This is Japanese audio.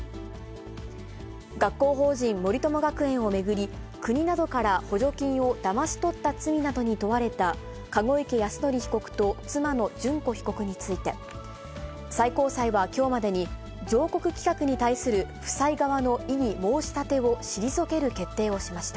学校法人森友学園を巡り、国などから補助金をだまし取った罪などに問われた籠池泰典被告と妻の諄子被告について、最高裁はきょうまでに、上告棄却に対する夫妻側の異議申し立てを退ける決定をしました。